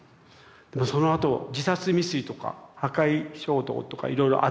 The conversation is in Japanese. そのあと自殺未遂とか破壊衝動とかいろいろあって。